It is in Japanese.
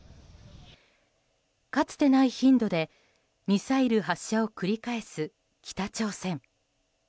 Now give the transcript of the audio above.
かつてない頻度でミサイル発射を繰り返す北朝鮮。